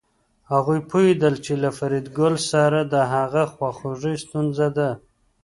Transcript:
هغوی پوهېدل چې له فریدګل سره د هغه خواخوږي ستونزه ده